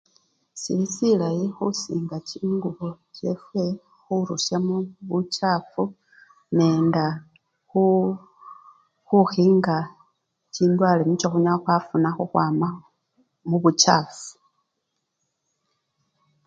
Sili silayi khusinga chingubo chefwe khurusyamo buchafu nende khuu! khukhinga chindwale nicho khunyala khwafuna khukhwama mubuchafu sii!.